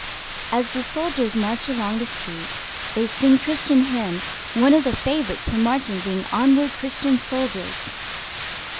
As the soldiers march along the street, they sing Christian hymns, one of the favorites for marching being "Onward, Christian Soldiers."